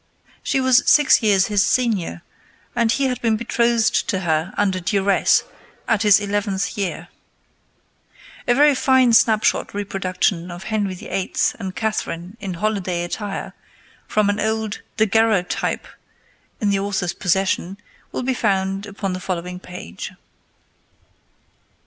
She was six years his senior, and he had been betrothed to her under duress at his eleventh year. A very fine snap shot reproduction of Henry VIII. and Catherine in holiday attire, from an old daguerreotype in the author's possession, will be found upon the following page.